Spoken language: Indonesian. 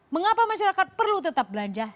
mengapa masyarakat perlu tetap belanja